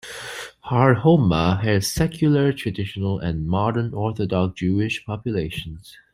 Har Homa has secular, traditional, and modern orthodox Jewish populations.